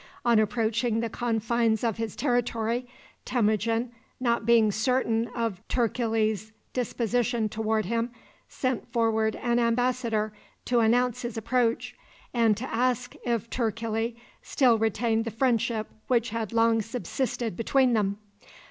On approaching the confines of his territory, Temujin, not being certain of Turkili's disposition toward him, sent forward an embassador to announce his approach, and to ask if Turkili still retained the friendship which had long subsisted between them.